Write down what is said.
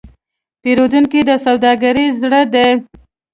پیرودونکی د سوداګرۍ زړه دی.